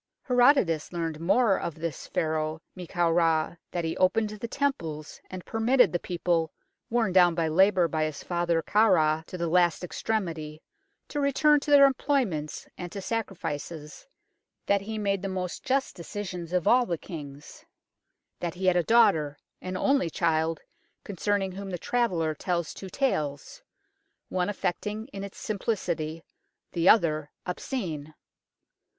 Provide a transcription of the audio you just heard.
Herodotus learnt more of this Pharaoh Men kau Ra that he opened the temples, and per mitted the people, worn down by labour by his father Khafra to the last extremity, to return to their employments and to sacrifices ; that he made the most just decisions of all their kings. That he had a daughter, an only child, concerning whom the traveller tells two tales, one affecting in its simplicity, the other obscene.